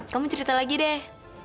kamu cerita lagi deh